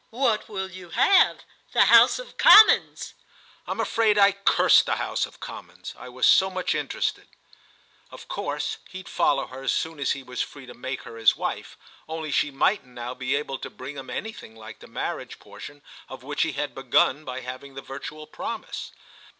"What will you have? The House of Commons!" I'm afraid I cursed the House of Commons: I was so much interested. Of course he'd follow her as soon as he was free to make her his wife; only she mightn't now be able to bring him anything like the marriage portion of which he had begun by having the virtual promise.